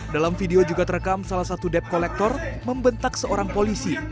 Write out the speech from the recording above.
dalam video juga terekam salah satu debt collector membentak seorang polisi